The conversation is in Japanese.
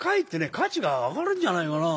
価値が上がるんじゃないかなあ。